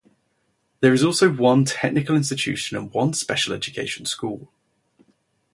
There is also one technical institute and one special education school.